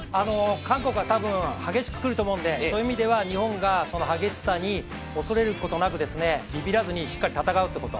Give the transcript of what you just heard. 韓国は多分激しく来ると思うんで、そういう意味では日本が激しさに恐れることなくビビらずにしっかり戦うということ。